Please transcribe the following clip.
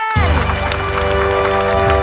ส่วนทีมสีฟ้าแสบซ่ามหาสมุทรครับ